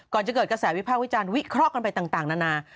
จะเกิดกระแสวิภาควิจารณ์วิเคราะห์กันไปต่างนานา